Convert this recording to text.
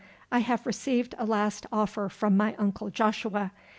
I have received a last offer from my uncle Joshua.